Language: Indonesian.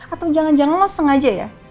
atau jangan jangan los sengaja ya